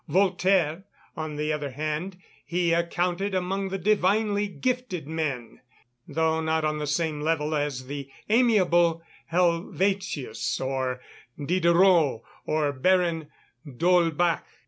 Voltaire, on the other hand, he accounted among the divinely gifted men, though not on the same level as the amiable Helvétius, or Diderot, or the Baron d'Holbach.